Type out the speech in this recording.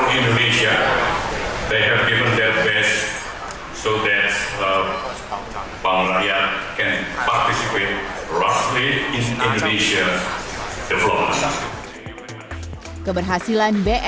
sebagai ceo terbaik